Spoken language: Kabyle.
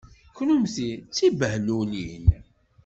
Kennemti d tibehlulin!